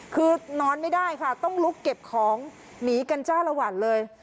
คือนอนไม่ได้ค่ะต้องลุกเก็บของหนีกันจ้าละวันเลย